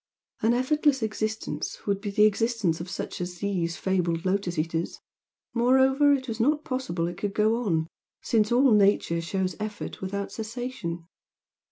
An effortless existence would be the existence of such as these fabled Lotus Eaters moreover, it was not possible it could go on, since all Nature shows effort without cessation.